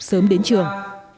tớm đến trường